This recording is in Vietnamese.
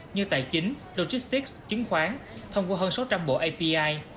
như tài chính logistics chứng khoán thông qua hơn sáu trăm linh bộ api